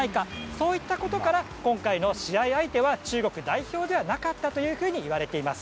そういったことから今回の試合相手は中国代表ではなかったといわれています。